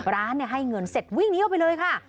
ร้านให้เงินเสร็จวิ่งนี้ออกไปเลยค่ะ